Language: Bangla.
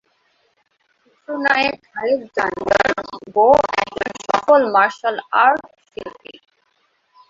চিত্রনায়ক আলেকজান্ডার বো একজন সফল মার্শাল আর্ট শিল্পী।